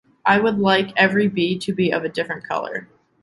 I would like every bee to be of a different color!